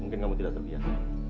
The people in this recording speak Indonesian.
mungkin kamu tidak terbiasa